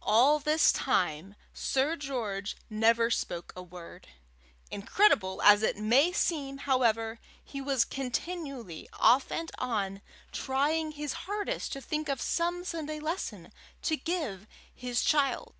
All this time Sir George never spoke a word. Incredible as it may seem, however, he was continually, off and on, trying his hardest to think of some Sunday lesson to give his child.